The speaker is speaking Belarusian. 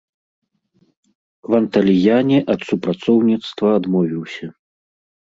Кванталіяні ад супрацоўніцтва адмовіўся.